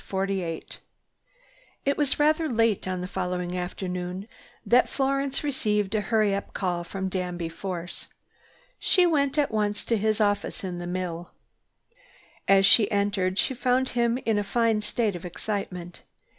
CHAPTER XXIV 48—48 It was rather late on the following afternoon that Florence received a hurry up call from Danby Force. She went at once to his office in the mill. As she entered she found him in a fine state of excitement.